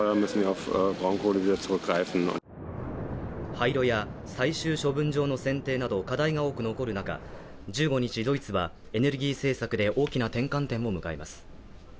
廃炉や最終処分場の選定など課題が多く残る中１５日ドイツはエネルギー政策で大きな転換点を迎えます。